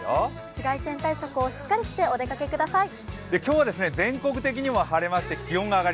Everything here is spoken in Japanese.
紫外線対策をしっかりして今日はお出かけください。